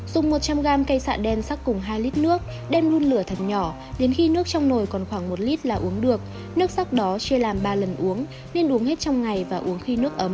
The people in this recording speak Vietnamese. dùng một trăm linh gram cây xạ đen sắc cùng hai lít nước đem luôn lửa thật nhỏ đến khi nước trong nồi còn khoảng một lít là uống được nước sắc đó chia làm ba lần uống nên uống hết trong ngày và uống khi nước ấm